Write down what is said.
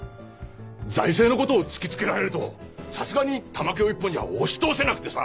財政のことを突き付けられるとさすがに玉響一本じゃ押し通せなくてさ。